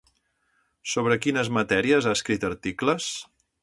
Sobre quines matèries ha escrit articles?